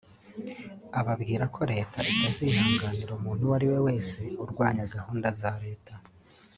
ababwira ko Leta itazihanganira umuntu uwo ari we wese urwanya gahunda za Leta